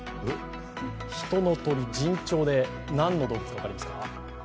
人の鳥、人鳥で何の動物か分かりますか？